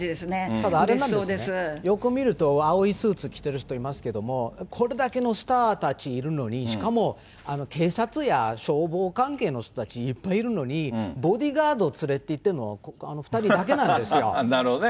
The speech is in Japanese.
ただあれなんですよね、よく見ると、青いスーツ着ている人いますけれども、これだけのスターたちいるのに、しかも警察や消防関係の人たち、いっぱいいるのに、ボディーガード連れて行ってるのなるほどね。